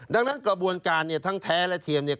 ดังนั้นกระบวนการเนี่ยทั้งแท้และเทียมเนี่ย